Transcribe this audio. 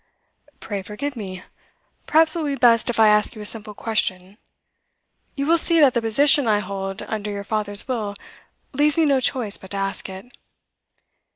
'Pray forgive me. Perhaps it will be best if I ask you a simple question. You will see that the position I hold under your father's will leaves me no choice but to ask it.